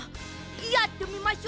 やってみましょう。